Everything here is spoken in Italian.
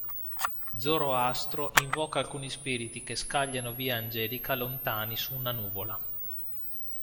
Zoroastro invoca alcuni spiriti che scagliano via Angelica lontano su una nuvola.